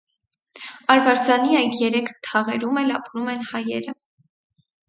Արվարձանի այդ երեք թաղերում էլ ապրում են հայերը։